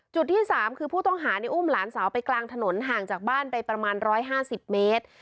จุดที่สามคือผู้ต้องหาในอุ้มหลานสาวไปกลางถนนห่างจากบ้านไปประมาณร้อยห้าสิบเมตร